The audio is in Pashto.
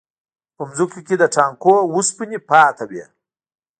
په ځمکو کې د ټانکونو وسپنې پاتې وې